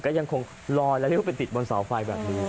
ก็ยังคงลอยแล้วเรียกว่าไปติดบนเสาไฟแบบนี้